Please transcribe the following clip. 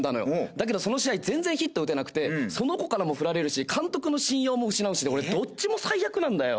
だけどその試合全然ヒット打てなくてその子からもフラれるし監督の信用も失うしで俺どっちも最悪なんだよ。